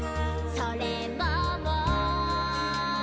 「それももう」